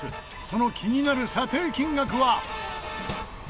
その気になる査定金額は。